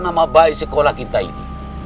nama baik sekolah kita ini